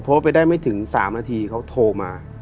พอโพสต์ไปได้ไม่ถึง๓นาทีเขาโทรมา